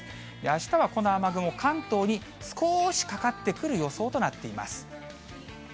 あしたはこの雨雲、関東に少しかかってくる予想となっています。